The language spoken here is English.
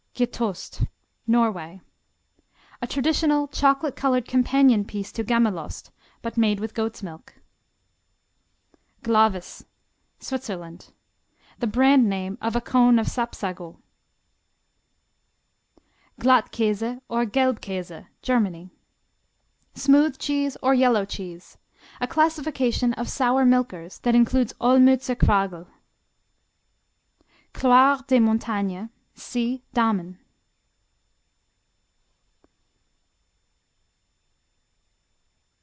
Gjetost Norway A traditional chocolate colored companion piece to Gammelost, but made with goat's milk. Glavis Switzerland The brand name of a cone of Sapsago. (See.) Glattkäse, or Gelbkäse Germany Smooth cheese or yellow cheese. A classification of sour milkers that includes Olmützer Quargel. Cloire des Montagnes see Damen.